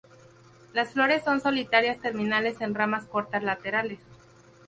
Las flores son solitarias, terminales en ramas cortas, laterales.